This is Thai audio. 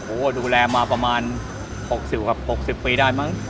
โอ้โหดูแลมาประมาณ๖๐ครับ๖๐ปีได้มั้ง